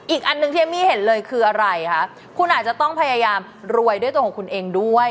อีกอันหนึ่งที่เอมมี่เห็นเลยคืออะไรคะคุณอาจจะต้องพยายามรวยด้วยตัวของคุณเองด้วย